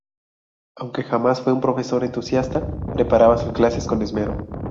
Aunque jamás fue un profesor entusiasta, preparaba sus clases con esmero.